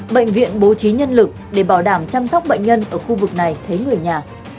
bệnh viện bố trí nhân lực để bảo đảm chăm sóc bệnh nhân ở khu vực này thấy người nhà